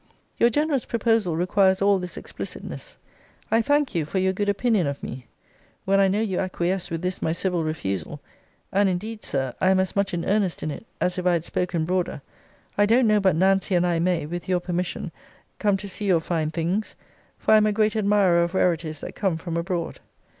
Your generous proposal requires all this explicitness. I thank you for your good opinion of me. When I know you acquiesce with this my civil refusal [and indeed, Sir, I am as much in earnest in it, as if I had spoken broader] I don't know but Nancy and I may, with your permission, come to see your fine things; for I am a great admirer of rarities that come from abroad.